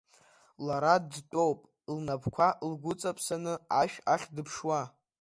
Лара дтәоуп лнапқәа лгәыҵаԥсаны, ашә ахь дыԥшуа.